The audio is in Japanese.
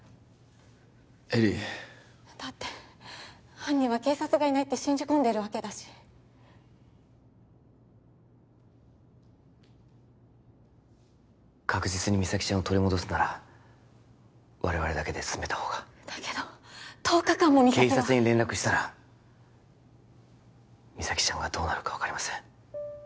絵里だって犯人は警察がいないって信じ込んでるわけだし確実に実咲ちゃんを取り戻すなら我々だけで進めたほうがだけど１０日間も実咲は警察に連絡したら実咲ちゃんがどうなるか分かりません